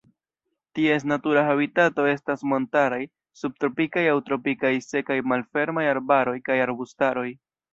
Ties natura habitato estas montaraj subtropikaj aŭ tropikaj sekaj malfermaj arbaroj kaj arbustaroj.